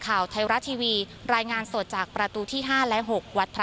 ข่าวไทยรัฐทีวีรายงานสดจากประตูที่๕และ๖วัดพระ